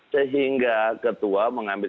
sehingga ketua mengambil